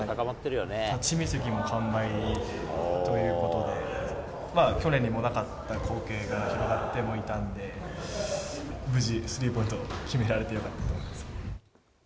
立見席も完売ということで、去年にもなかった光景が広がってもいたんで、無事、スリーポイント決められてよかったと思います。